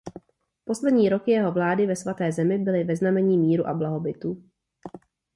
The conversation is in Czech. Poslední roky jeho vlády ve Svaté zemi byly ve znamení míru a blahobytu.